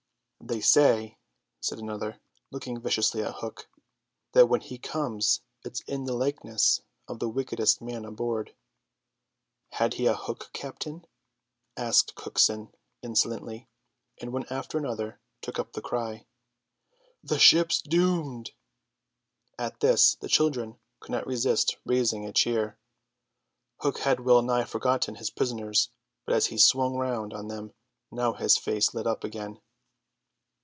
"They say," said another, looking viciously at Hook, "that when he comes it's in the likeness of the wickedest man aboard." "Had he a hook, captain?" asked Cookson insolently; and one after another took up the cry, "The ship's doomed!" At this the children could not resist raising a cheer. Hook had well nigh forgotten his prisoners, but as he swung round on them now his face lit up again.